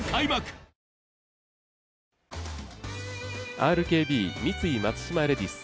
ＲＫＢ×三井松島レディス。